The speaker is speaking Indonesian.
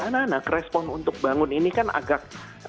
anak anak respon untuk bangun ini kan agak